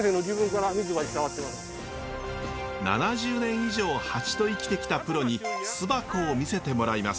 ７０年以上ハチと生きてきたプロに巣箱を見せてもらいます。